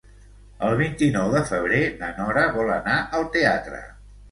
El vint-i-nou de febrer na Nora vol anar al teatre.